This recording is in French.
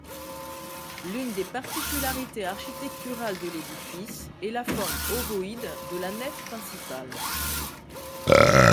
L'une des particularités architecturales de l'édifice est la forme ovoïde de la nef principale.